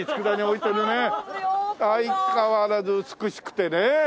相変わらず美しくてね。